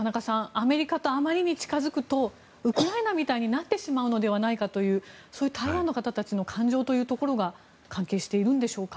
アメリカと、あまりに近づくとウクライナみたいになってしまうのではないかという台湾の方たちの感情が関係しているんでしょうか。